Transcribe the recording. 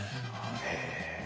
へえ。